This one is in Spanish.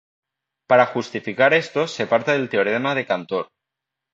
Para justificar esto se parte del teorema de Cantor.